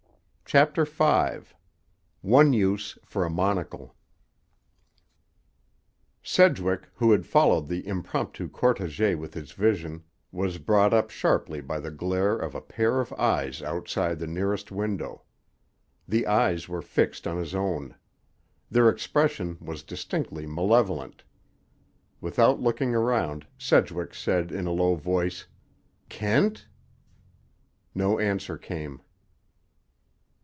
CHAPTER V—ONE USE FOR A MONOCLE Sedgwick, who had followed the impromptu cortège with his vision, was brought up sharply by the glare of a pair of eyes outside the nearest window. The eyes were fixed on his own. Their expression was distinctly malevolent. Without looking round, Sedgwick said in a low voice: "Kent!" No answer came.